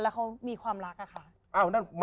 แล้วเขามีความรักอะค่ะ